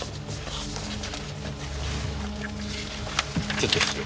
ちょっと失礼。